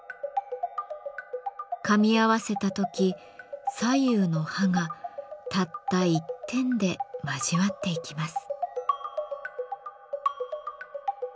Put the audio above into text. かみ合わせた時左右の刃がたった一点で交わっていきます。